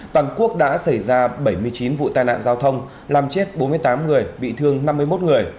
toàn quốc đã xảy ra bảy mươi chín vụ tai nạn giao thông làm chết bốn mươi tám người bị thương năm mươi một người